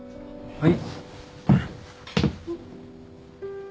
はい。